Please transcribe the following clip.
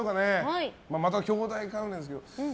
また兄妹関連ですけど。